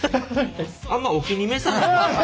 あんまお気に召さなかった？